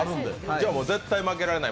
じゃあ、絶対負けられない。